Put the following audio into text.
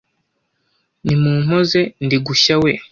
nimumpoze ndi gushya we